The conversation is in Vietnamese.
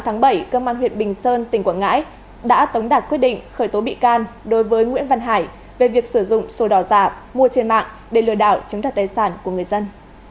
ngày tám bảy cơ quan huyện bình sơn tỉnh quảng ngãi đã tống đạt quyết định khởi tố bị can đối với nguyễn văn hải về việc sử dụng sổ đỏ giảm mua trên mạng để lừa đảo chiếm đoạt tài sản của người dân